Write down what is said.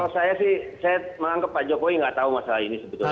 saya sih saya menganggap pak jokowi nggak tahu masalah ini sebetulnya